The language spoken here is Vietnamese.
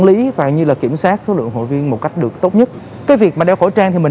lý và như là kiểm soát số lượng hội viên một cách được tốt nhất cái việc mà đeo khẩu trang thì mình